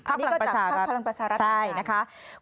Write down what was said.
อันนี้ก็จากภักดิ์พลังประชารักษณ์